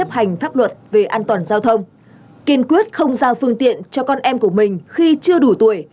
hành pháp luật về an toàn giao thông kiên quyết không giao phương tiện cho con em của mình khi chưa đủ tuổi